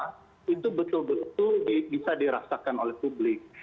melakukan pengawasan agar kinerja pemerintah itu betul betul bisa dirasakan oleh publik